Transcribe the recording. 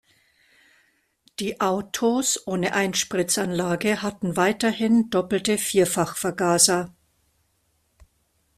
Die Autos ohne Einspritzanlage hatten weiterhin doppelte Vierfachvergaser.